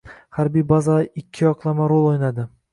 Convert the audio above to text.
Harbiy bazalar ikki yoqlama rol o‘ynadi